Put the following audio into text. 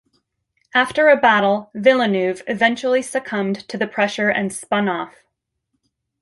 After a battle Villeneuve eventually succumbed to the pressure and spun off.